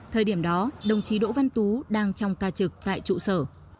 thời điểm đó đồng chí đỗ văn tú đang trong ca trực tại trụ sở